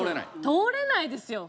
通れないですよ